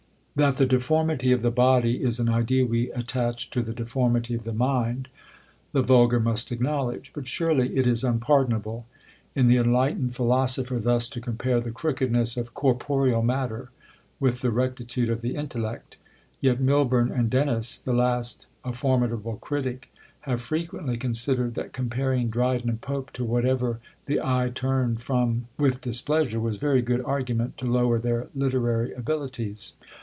That the deformity of the body is an idea we attach to the deformity of the mind, the vulgar must acknowledge; but surely it is unpardonable in the enlightened philosopher thus to compare the crookedness of corporeal matter with the rectitude of the intellect; yet Milbourne and Dennis, the last a formidable critic, have frequently considered, that comparing Dryden and Pope to whatever the eye turned from with displeasure, was very good argument to lower their literary abilities.